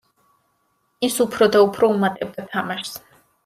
ის უფრო და უფრო უმატებდა თამაშს.